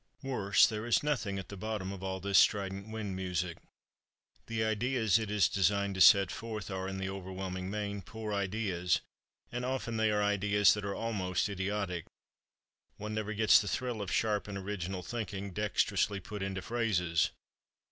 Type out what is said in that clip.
Worse, there is nothing at the bottom of all this strident wind music—the ideas it is designed to set forth are, in the overwhelming main, poor ideas, and often they are ideas that are almost idiotic. One never gets the thrill of sharp and original thinking, dexterously put into phrases.